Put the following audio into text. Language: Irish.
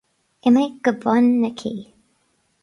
Imigh go bun na cé.